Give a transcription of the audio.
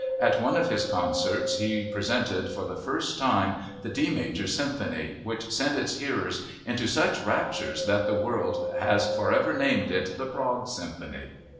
At one of his concerts he presented for the first time the D major Symphony which sent its hearers into such raptures that the world has forever named it the "Prague" Symphony.